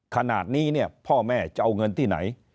ขนาดนี้เนี่ยพ่อแม่จะเอาเงินที่ไหน